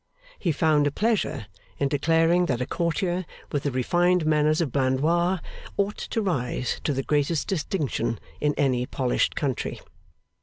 He found a pleasure in declaring that a courtier with the refined manners of Blandois ought to rise to the greatest distinction in any polished country.